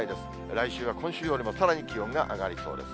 来週は今週よりもさらに気温が上がりそうです。